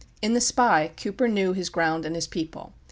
In "The Spy," Cooper knew his ground and his people.